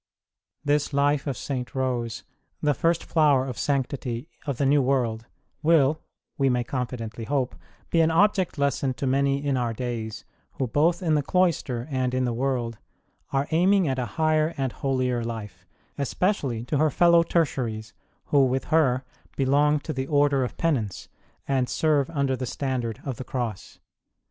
This life of St. Rose, The First Flower of Sanctity of the New World, will (we may confi dently hope) be an object lesson to many in our days who, both in the cloister and in the world, are aiming at a higher and holier life, especially to her fellow Tertiaries, who, with her, belong to the Order of Penance and serve under the standard of the Cross.